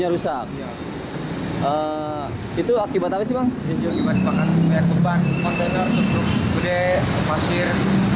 ya beban kontainer kumpul gede masir